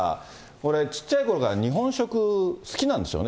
これ小っちゃいころから日本食、好きなんでしょうね。